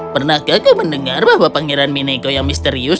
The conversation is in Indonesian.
pernahkah kau mendengar bahwa pangeran minego yang misterius